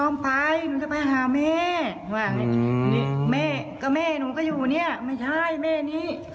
นี่แม่กับแม่หนูก็อยู่เนี่ยไม่ใช่แม่นี้